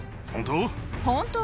本当？